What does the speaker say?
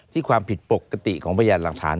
ความผิดปกติของพยานหลักฐาน